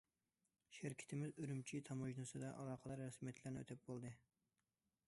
شىركىتىمىز ئۈرۈمچى تاموژنىسىدا ئالاقىدار رەسمىيەتلەرنى ئۆتەپ بولدى.